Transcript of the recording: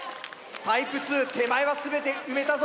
タイプ２手前は全て埋めたぞ